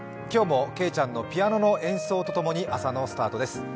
今日もけいちゃんのピアノの演奏とともに朝のスタートです。